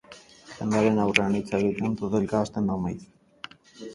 Jendearen aurrean hitz egitean totelka hasten da maiz.